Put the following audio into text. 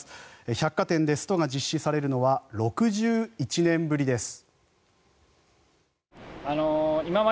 百貨店でストが実施されるのは６１年ぶりです。